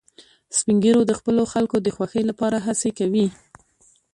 سپین ږیری د خپلو خلکو د خوښۍ لپاره هڅې کوي